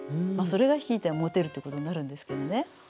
まあそれがひいてはモテるということになるんですけどね。